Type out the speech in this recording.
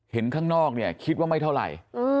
ข้างนอกเนี่ยคิดว่าไม่เท่าไหร่